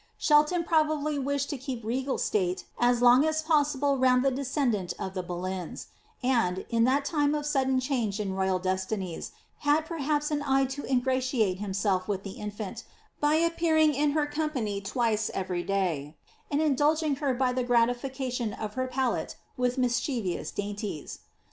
Shelton probably wished to keep r^gal state as long as possible round the descendant of the Bo leyns ; and, in that time of sudden change in royal destinies, had per haps an eye to ingratiate himself with the infant, by appearing in her company twice every day, and indulging her by the gratification of her palate with mischievous dainties.